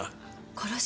殺し？